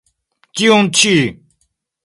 Tiun ĉi.